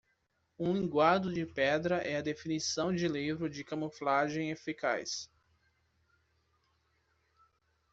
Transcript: Um linguado de pedra é a definição de livro de camuflagem eficaz.